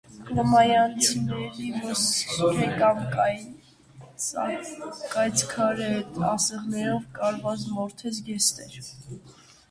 Կրոմանյանցիները ոսկրե կամ կայծքարե ասեղներով կարված մորթե զգեստներ։